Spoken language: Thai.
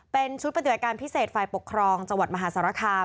เป็นชุดปฏิบัติการพิเศษฝ่ายปกครองจังหวัดมหาสารคาม